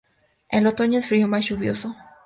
El otoño es frío y más lluvioso.